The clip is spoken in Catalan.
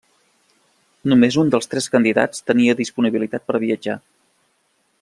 Només un dels tres candidats tenia disponibilitat per viatjar.